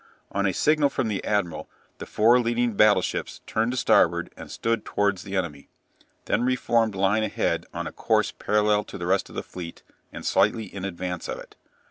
On a signal from the admiral the four leading battleships turned to starboard and stood towards the enemy, then re formed line ahead on a course parallel to the rest of the fleet, and slightly in advance of it.